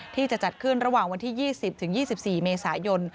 ที่จะจัดขึ้นระหว่างวันที่๒๐๒๔เมษายน